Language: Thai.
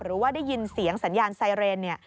หรือว่าได้ยินเสียงสัญญาณไซเรน